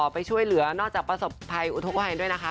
ไปช่วยเหลือนอกจากประสบภัยอุทธกภัยด้วยนะคะ